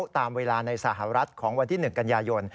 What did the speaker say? ตามเวลาในสหรัฐของวันที่๑กันยายน